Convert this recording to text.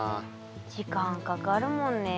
時間かかるもんねえ。